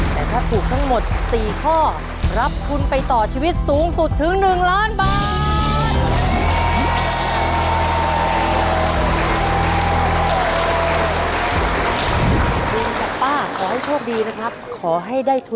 แต่ถ้าถูกทั้งหมด๔ข้อรับทุนไปต่อชีวิตสูงสุดถึง๑ล้านบาท